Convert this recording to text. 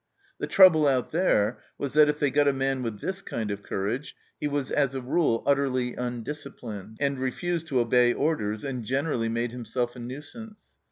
The trouble out there was that if they got a man with this kind of courage, he was as a rule utterly undisciplined, and refused to obey orders, and generally made himself a nuisance.